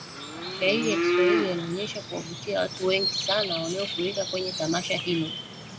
Mashairi ya Kiswahili yalionesha kuwavutia watu wengi sana waliofurika kwenye tamasha hilo